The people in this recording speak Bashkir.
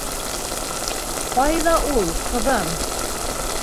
— Ҡайҙа ул, ҡыҙы-ым?